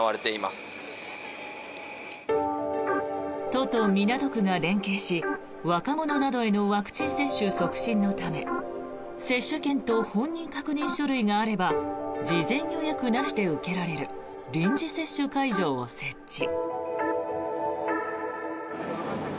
都と港区が連携し若者などへのワクチン接種促進のため接種券と本人確認書類があれば事前予約なしで受けられる臨時接種会場を設置。